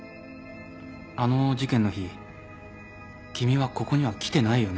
あの事件の日君はここには来てないよね？